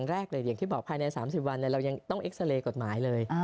แรกเลยอย่างที่บอกภายใน๓๐วันเรายังต้องเอ็กซาเรย์กฎหมายเลย